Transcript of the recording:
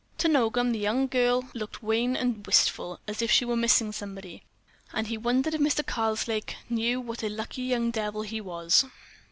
To Nogam the young girl looked wan and wistful—as if she were missing somebody. And he wondered if Mr. Karslake knew what a lucky young devil he was.